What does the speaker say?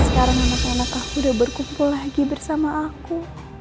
sekarang anak anak aku udah berkumpul lagi bersama aku